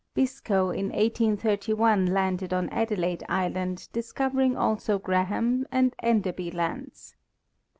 Biscoe in 1831 landed on Adelaide island, discovering also Graham and Enderby lands.